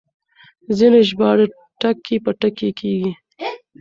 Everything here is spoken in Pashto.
ځينې ژباړې ټکي په ټکي کېږي.